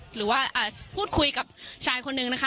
หรือว่าพูดคุยกับชายคนนึงนะคะ